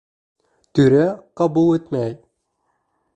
ТҮРӘ ҠАБУЛ ИТМӘЙ